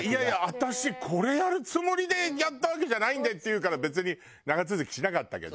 私これやるつもりでやったわけじゃないんでっていうから別に長続きしなかったけど。